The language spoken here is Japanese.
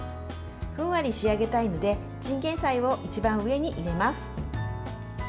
ふんわり仕上げたいのでチンゲンサイを一番上に入れます。